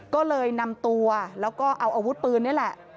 ก็เลยนำตัวแล้วก็เอาอาวุธปืนนี่แหละ